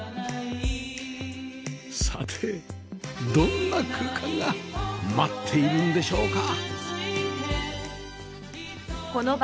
さてどんな空間が待っているんでしょうか？